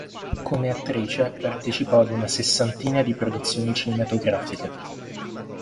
Come attrice, partecipò ad una sessantina di produzioni cinematografiche.